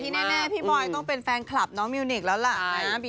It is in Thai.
แน่พี่บอยต้องเป็นแฟนคลับน้องมิวนิกแล้วล่ะนะ